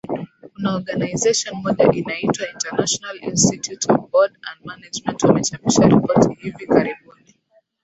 kuna organization moja inaitwa international institute of board and management wamechapisha ripoti hivi karibuni